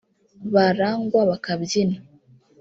barangwa bakabyina